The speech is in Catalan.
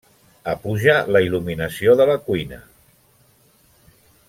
Apuja la il·luminació de la cuina.